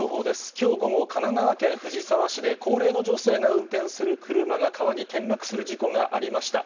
きょう午後、神奈川県藤沢市で、高齢の女性が運転する車が川に転落する事故がありました。